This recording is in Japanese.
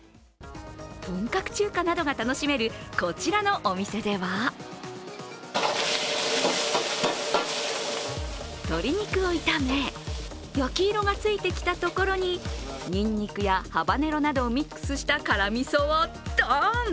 本格中華などが楽しめるこちらのお店では鶏肉を炒め焼き色がついてきたところににんにくやハバネロなどをミックスした辛みそをドーン！